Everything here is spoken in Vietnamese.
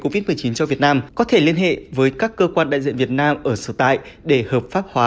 covid một mươi chín cho việt nam có thể liên hệ với các cơ quan đại diện việt nam ở sở tại để hợp pháp hóa